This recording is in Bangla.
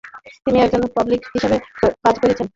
তিনি একজন পাবলিকান হিসাবে কাজ করছিলেন।